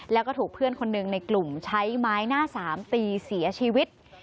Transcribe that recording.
แล้วก็ถูกเพื่อนคนหนึ่งในกลุ่มใช้ไม้หน้าสามตีเสียชีวิต